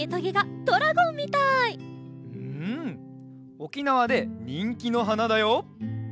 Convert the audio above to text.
おきなわでにんきのはなだよ！